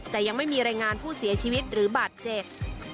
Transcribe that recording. แต่ยังไม่มีรายงานผู้เสียชีวิตหรือบาดเจ็บ